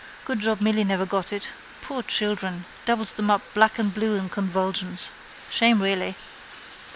Good job Milly never got it. Poor children! Doubles them up black and blue in convulsions. Shame really.